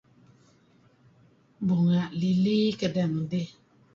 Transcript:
Bunga lily kedeh ngidih.